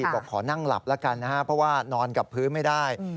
บอกขอนั่งหลับแล้วกันนะครับเพราะว่านอนกับพื้นไม่ได้